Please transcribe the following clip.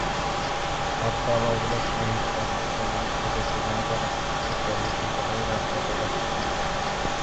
হরতাল-অবরোধে সহিংসতায় আহত মানুষকে দেখতে গণজাগরণ মঞ্চের কর্মী-সংগঠকেরা গতকাল সেখানে যান।